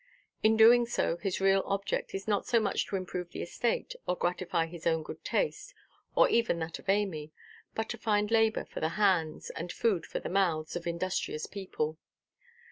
In doing so, his real object is not so much to improve the estate, or gratify his own good taste, or even that of Amy; but to find labour for the hands, and food for the mouths, of industrious people.